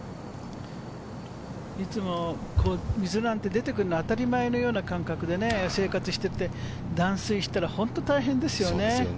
いつも水なんて出てくるの当たり前のような感覚で生活していて、断水したら本当に大変ですよね。